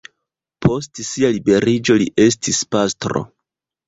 Post sia liberiĝo li estis pastro.